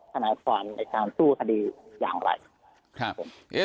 ทนายความในการสู้คดีอย่างไร